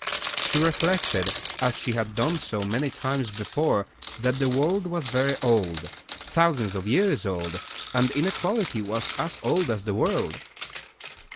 She reflected, as she had done so many times before, that the world was very old thousands of years old and inequality was as old as the world.